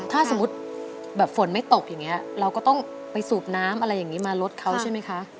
ถ้าสมมุติแบบฝนไม่ตกอย่างนี้เราก็ต้องไปสูบน้ำอะไรอย่างนี้มารถเขาใช่ไหมคะ